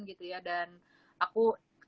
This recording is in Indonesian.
gitu ya dan aku